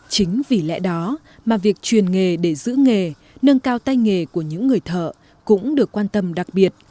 chính vì lẽ đó mà việc truyền nghề để giữ nghề nâng cao tay nghề của những người thợ cũng được quan tâm đặc biệt